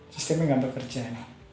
sistemnya tidak bekerja